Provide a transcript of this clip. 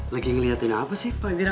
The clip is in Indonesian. lagi ngeliatin apa sih pak gerangun